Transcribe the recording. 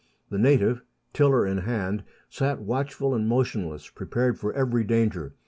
The native, tiller in hand, sat watchful and motionless, prepared for every danger.